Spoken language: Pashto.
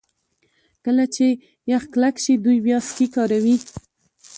کله چې یخ کلک شي دوی بیا سکي کاروي